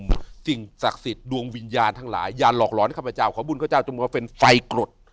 สิ่งศักดิ์สิทธิ์ดวงวิญญาณทั้งหลายอย่าหลอกหลอนข้าพเจ้าขอบุญข้าเจ้าตัวมาเป็นไฟกรด